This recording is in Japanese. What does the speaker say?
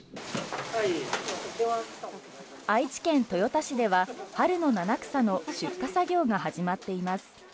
愛知県豊田市では春の七草の出荷作業が始まっています。